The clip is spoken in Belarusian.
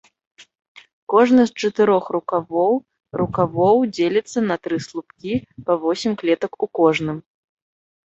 Кожны з чатырох рукавоў рукавоў дзеліцца на тры слупкі, па восем клетак у кожным.